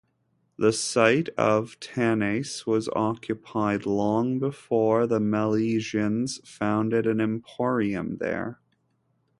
The site of Tanais was occupied long before the Milesians founded an emporium there.